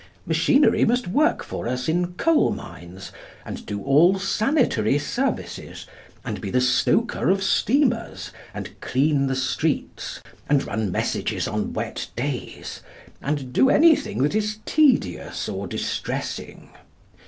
Machinery must work for us in coal mines, and do all sanitary services, and be the stoker of steamers, and clean the streets, and run messages on wet days, and do anything that is tedious or distressing.